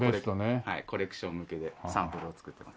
コレクション向けでサンプルを作ってます。